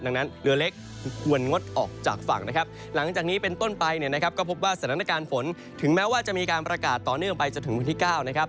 ดังนั้นเรือเล็กควรงดออกจากฝั่งนะครับหลังจากนี้เป็นต้นไปเนี่ยนะครับก็พบว่าสถานการณ์ฝนถึงแม้ว่าจะมีการประกาศต่อเนื่องไปจนถึงวันที่๙นะครับ